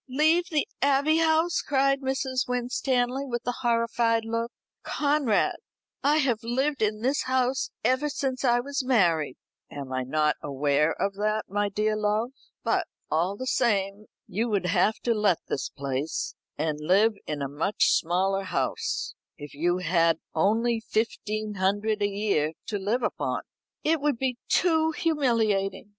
"Leave the Abbey House!" cried Mrs. Winstanley with a horrified look. "Conrad, I have lived in this house ever since I was married." "Am I not aware of that, my dear love? But, all the same, you would have to let this place, and live in a much smaller house, if you had only fifteen hundred a year to live upon." "It would be too humiliating!